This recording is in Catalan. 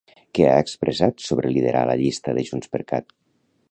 Què ha expressat sobre liderar la llista de JxCat?